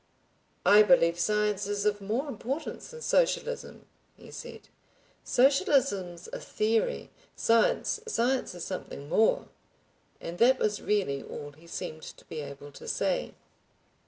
"I believe science is of more importance than socialism," he said. "Socialism's a theory. Science—science is something more." And that was really all he seemed to be able to say.